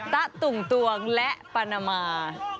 ตะตุ่มตวงและปานามา